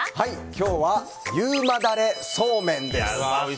今日は優馬ダレそうめんです。